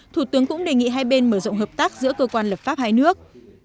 thủ tướng cũng đề nghị hai bên mở rộng hợp tác giữa cơ quan lập pháp hai nước